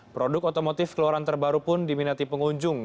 produk otomotif keluaran terbaru pun di binati pengunjung